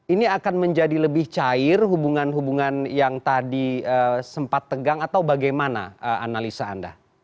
ini akan menjadi lebih cair hubungan hubungan yang tadi sempat tegang atau bagaimana analisa anda